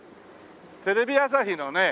テレビ朝日のね